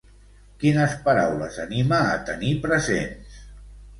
Quines paraules anima a tenir presents?